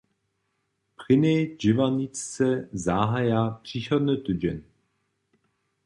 Prěnjej dźěłarničce zahaja přichodny tydźeń.